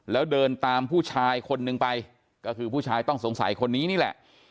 แล้วเดินตามผู้ชายคนนึงไปก็คือผู้ชายต้องสงสัยคนนี้นี่แหละ